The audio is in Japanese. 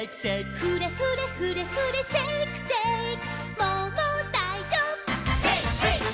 「フレフレフレフレシェイクシェイク」